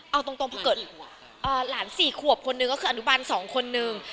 เอาตรงเพราะเกิดหลานสี่ขวบคนนึงก็คืออนุบันสองคนนึง